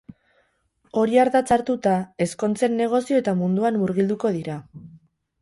Hori ardatz hartuta, ezkontzen negozio eta munduan murgilduko dira.